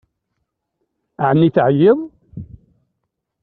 Ɛni teɛyiḍ?